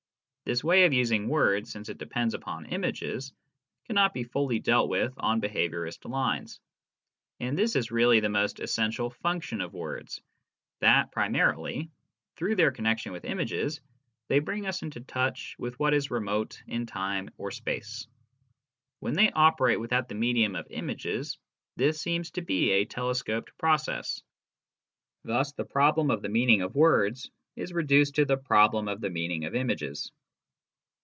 This way of using words, since it depends upon images, cannot be fully dealt with on behaviourist lines. And this is really the most essential function of words : that, primarily, through their connexion with images, they bring us into touch with what is remote in time or space. When they operate without the medium of images, this seems to be a telescoped process. Thus the problem of the meaning of words is reduced to the problem of the meaning of images.